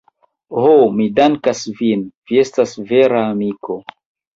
Ho, mi dankas vin, vi estas vera amiko.